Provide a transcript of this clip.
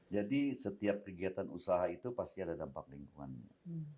jadi setiap kegiatan usaha itu pasti ada dampak lingkungannya